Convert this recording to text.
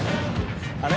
あれ？